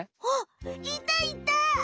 あっいたいた！